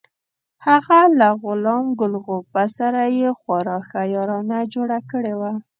هغه له غلام ګل غوبه سره یې خورا ښه یارانه جوړه کړې وه.